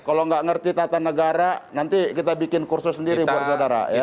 kalau nggak ngerti tata negara nanti kita bikin kursus sendiri buat saudara